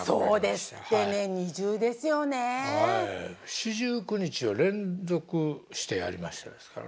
四十九日を連続してやりましたですからね。